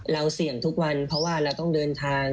เราเสี่ยงทุกวันเพราะว่าเราต้องเดินทาง